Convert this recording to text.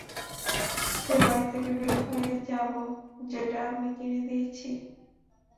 সেই বাড়ি থেকে বের হয়ে যাবো যেটা আমি কিনে দিয়েছি?